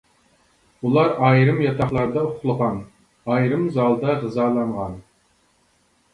ئۇلار ئايرىم ياتاقلاردا ئۇخلىغان، ئايرىم زالدا غىزالانغان.